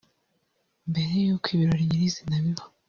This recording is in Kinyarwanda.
Mbere y'uko ibirori nyirizina biba